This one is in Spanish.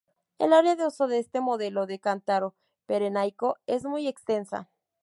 El área de uso de este modelo de cántaro pirenaico es muy extensa.